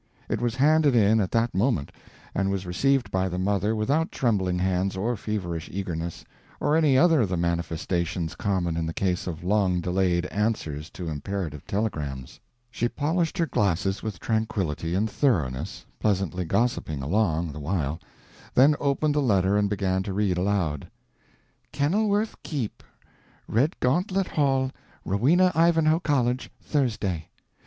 It was handed in at that moment, and was received by the mother without trembling hands or feverish eagerness, or any other of the manifestations common in the case of long delayed answers to imperative telegrams. She polished her glasses with tranquility and thoroughness, pleasantly gossiping along, the while, then opened the letter and began to read aloud: KENILWORTH KEEP, REDGAUNTLET HALL, ROWENA IVANHOE COLLEGE, THURSDAY.